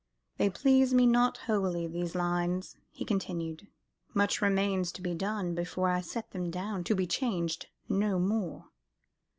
"They please me not wholly, these lines," he continued, "much remains to be done before I set them down to be changed no more."